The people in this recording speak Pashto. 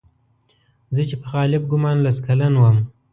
زه چې په غالب ګومان لس کلن وم.